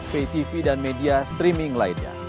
pay tv dan media streaming lainnya